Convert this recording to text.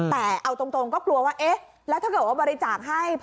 แต่เอาตรงก็กลัวว่าแล้วถ้าบริจาคให้